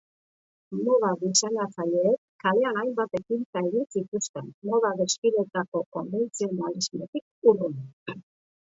Moda diseinatzaileek kalean hainbat ekintza egin zituzten, moda desfileetako konbentzionalismotik urrun.